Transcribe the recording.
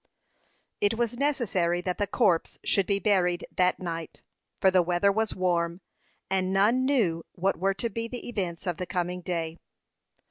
It was necessary that the corpse should be buried that night, for the weather was warm, and none knew what were to be the events of the coming day.